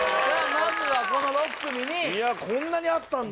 まずはこの６組にいやこんなにあったんだ